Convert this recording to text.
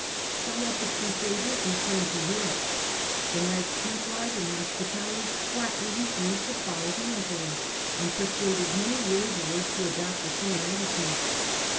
Some of the Crusaders returned to Europe. The Knights Templars and Hospitallers flatly refused to follow the Emperor and persuaded many waverers to adopt the same attitude.